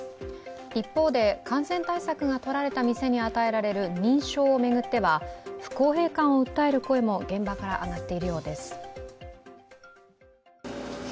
一方で感染対策がとられた店に与えられる認証を巡っては不公平感を訴える声も現場から上がっているようです。